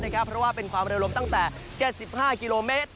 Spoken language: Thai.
เพราะว่าเป็นความเร็วลมตั้งแต่๗๕กิโลเมตร